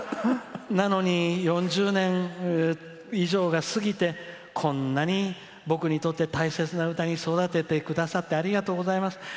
なのに４０年以上が過ぎてこんなに僕にとって大切な歌に育ててくださってありがとうございます。